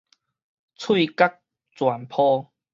喙角全泡